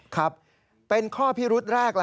ครับเป็นข้อพิรุษแรก